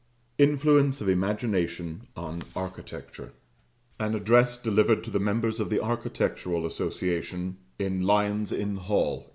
INFLUENCE OF IMAGINATION IN ARCHITECTURE _An Address Delivered to the Members of the Architectural Association, in Lyon's Inn Hall, 1857.